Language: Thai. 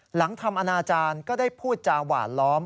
หลังทำอนาจารย์ก็ได้พูดจาหวานล้อม